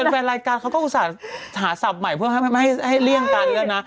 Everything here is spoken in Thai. เป็นแฟนรายการเขาก็อุตส่าห์หาศัพท์ใหม่เพื่อให้เลี่ยงการเลือนนะ